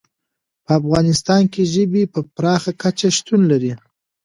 په افغانستان کې ژبې په پراخه کچه شتون لري.